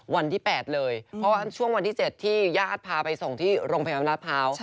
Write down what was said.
วันที่๘เลยเพราะว่าช่วงวันที่๗ที่ญาติพาไปส่งที่โรงพยาบาลราชพร้าว